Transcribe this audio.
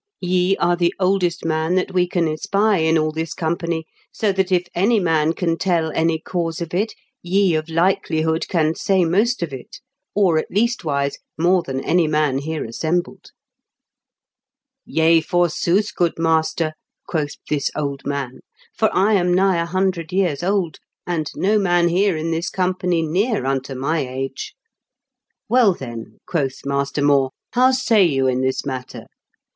Ye are the oldest man that we can espy in all this company, so that if any man can tell any cause of it, ye of likelihood can say most of it, or, at leastwise, more than any man here assembled.' "* Yea, forsooth, good master,' quoth this old man, * for I am nigh a hundred years old, and no man here in this company near unto my age/ ^Well, then,' quoth Master More, *how say you in this matter?